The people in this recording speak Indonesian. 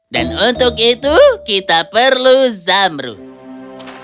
dan untuk itu kita perlu zamrud